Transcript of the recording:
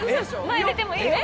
前出てもいいよ！